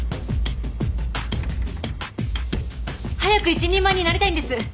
早く一人前になりたいんです。